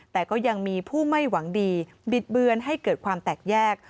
แต่ก็ยังมีผู้ไม่หวังดีบิดเบือนให้เกิดความแตกแยก